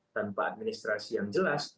tanpa administrasi yang jelas